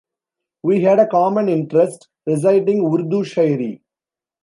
We had a common interest -- reciting Urdu shairi.